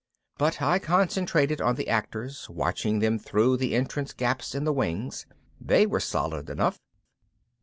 But I concentrated on the actors, watching them through the entrance gaps in the wings. They were solid enough.